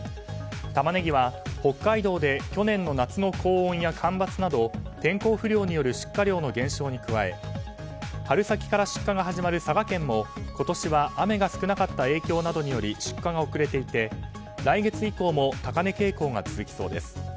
タマネギは北海道で去年の夏の高温や干ばつなど天候不良による出荷量の減少に加え春先から出荷が始まる佐賀県も今年は雨が少なかった影響などにより出荷が遅れていて、来月以降も高値傾向が続きそうです。